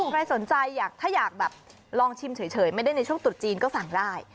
ใครสนใจอยากถ้าอยากแบบลองชิมเฉยไม่ได้ในช่วงตรุษจีนก็สั่งได้